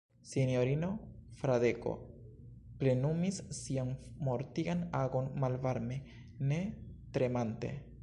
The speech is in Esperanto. Sinjorino Fradeko plenumis sian mortigan agon malvarme, ne tremante.